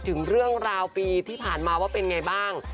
ถึงเรื่องราวปีที่ผ่านมาว่าเป็นไงบ้าง